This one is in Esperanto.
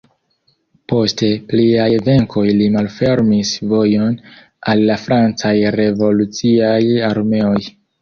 Post pliaj venkoj li malfermis vojon al la francaj revoluciaj armeoj.